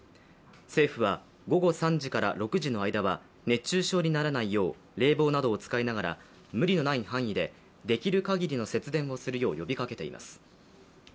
政府は午後３時から６時の間は熱中症にならないよう、冷房などを使いながら無理のない範囲でできる限りの節電をするよう呼びかけています。